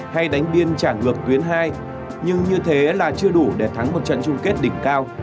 hay đánh biên trảng ngược tuyến hai nhưng như thế là chưa đủ để thắng một trận chung kết đỉnh cao